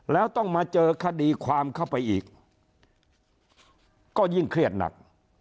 แล้วต้องมาเจอคดีความเข้าไปอีกก็ยิ่งเครียดหนัก